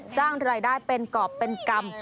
สร้างรายได้เป็นกรอบเป็นกรรม